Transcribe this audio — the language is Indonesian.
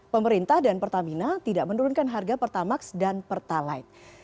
pemerintah dan pertamina tidak menurunkan harga pertamax dan pertalite